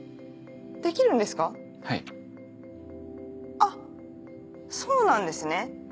あっそうなんですね。